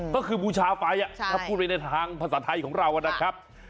ก็คือบูชาไฟถ้าพูดไปในทางภาษาไทยของเรานะครับ